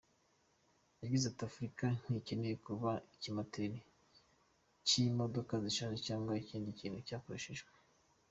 Yagize ati “Afurika ntikeneye kuba ikimoteri cy’imodoka zishaje cyangwa ikindi kintu cyakoreshejwe.